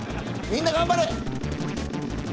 みんな頑張れ。